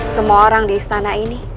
semua orang di istana ini